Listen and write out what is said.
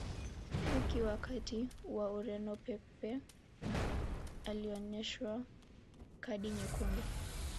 beki wa kati wa ureno pepe alioneshwa kadi nyekundu